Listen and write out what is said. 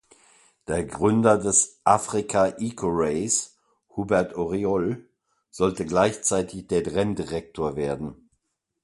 Der Gründer des Africa Eco Race Hubert Auriol sollte gleichzeitig der Renndirektor werden.